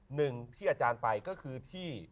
หนึ่งที่อาจารย์ไปก็คือที่